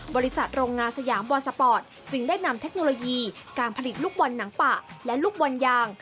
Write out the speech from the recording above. โรงงานสยามบอลสปอร์ตจึงได้นำเทคโนโลยีการผลิตลูกบอลหนังปะและลูกบอลยาง